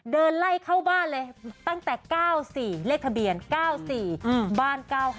เดินไล่เข้าบ้านเลยตั้งแต่๙๔เลขทะเบียน๙๔บ้าน๙๕